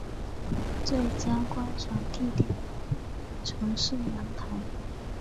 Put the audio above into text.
最佳观赏地点为城市阳台。